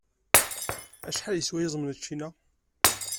Acḥal yeswa yiẓem n ččina?